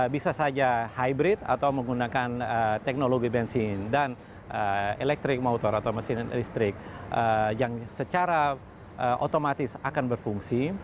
bisa saja hybrid atau menggunakan teknologi bensin dan electric motor atau mesin listrik yang secara otomatis akan berfungsi